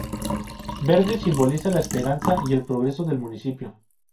Verde: simboliza la esperanza y el progreso del municipio.